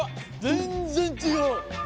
全然違う。